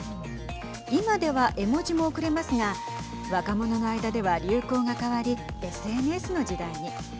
今では絵文字も送れますが若者の間では流行が変わりＳＮＳの時代に。